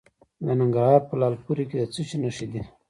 د ننګرهار په لعل پورې کې د څه شي نښې دي؟